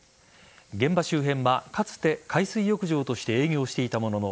現場周辺は、かつて海水浴場として営業していたものの